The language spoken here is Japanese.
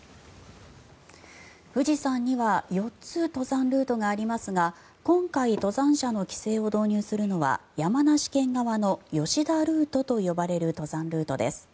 富士山には４つ登山ルートがありますが今回、登山者の規制を導入するのは山梨県側の吉田ルートと呼ばれる登山ルートです。